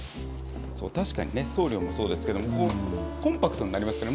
確かにね、送料もそうですけれども、コンパクトになりますよね。